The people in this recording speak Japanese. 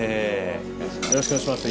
よろしくお願いします